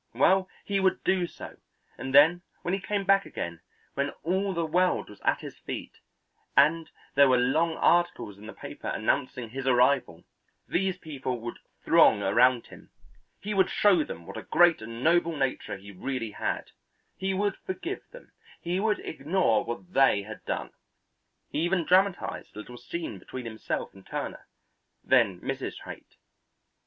Well, he would do so, and then when he came back again, when all the world was at his feet, and there were long articles in the paper announcing his arrival, these people would throng around him; he would show them what a great and noble nature he really had; he would forgive them; he would ignore what they had done. He even dramatized a little scene between himself and Turner, then Mrs. Haight.